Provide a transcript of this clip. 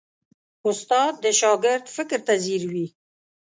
استاد د شاګرد فکر ته ځیر وي.